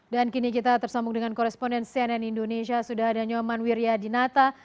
dan kini kita tersambung dengan koresponden cnn indonesia sudah ada nyoman wiryadinata